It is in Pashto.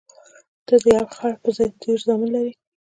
ته د یو خر پر ځای ډېر زامن لرې.